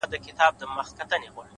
علم د انسان هویت روښانه کوي